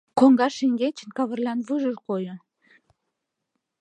Коҥга шеҥгечын Кавырлян вуйжо койо.